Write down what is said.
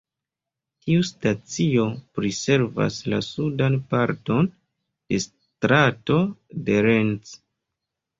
Tiu stacio priservas la sudan parton de Strato de Rennes.